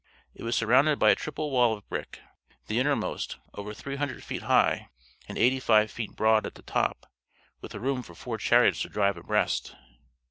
It was surrounded by a triple wall of brick; the innermost, over three hundred feet high, and eighty five feet broad at the top, with room for four chariots to drive abreast.